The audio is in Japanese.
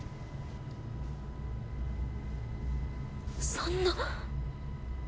そんな。